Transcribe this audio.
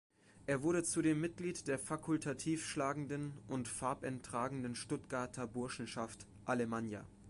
Er wurde zudem Mitglied der fakultativ schlagenden und farbentragenden Stuttgarter Burschenschaft Alemannia.